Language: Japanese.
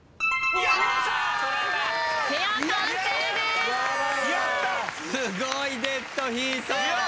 すごいデッドヒート。